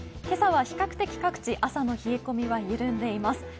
今朝は比較的、各地朝の冷え込みは緩んでいます。